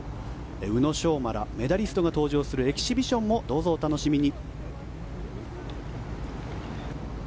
宇野昌磨らメダリストが登場するエキシビションもどうぞお楽しみに！